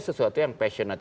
sesuatu yang passionate